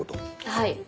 はい。